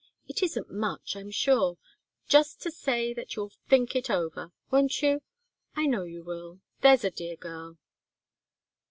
It isn't much, I'm sure just to say that you'll think it over. Won't you? I know you will there's a dear girl!"